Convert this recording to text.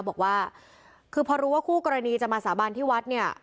บอกว่าคือพอรู้ว่าคู่กรณีจะมาสาบานที่วัดเนี่ย